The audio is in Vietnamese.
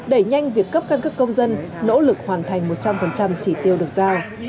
đẩy nhanh việc cấp căn cước công dân nỗ lực hoàn thành một trăm linh chỉ tiêu được giao